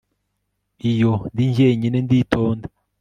Iyo ndi jyenyine nditonda